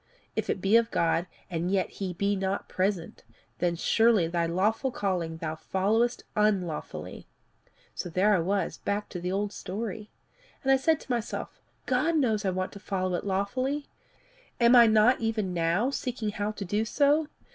If it be of God, and yet he be not present, then surely thy lawful calling thou followest unlawfully." "So there I was brought back to the old story. And I said to myself, 'God knows I want to follow it lawfully. Am I not even now seeking how to do so?